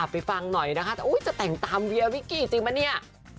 ไปฟังหน่อยนะคะจะแต่งตามเวียวิกกี้จริงปะเนี่ย